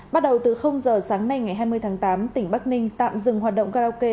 bắt đầu từ giờ sáng nay ngày hai mươi tháng tám tỉnh bắc ninh tạm dừng hoạt động karaoke